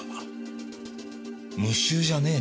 無臭じゃねえな。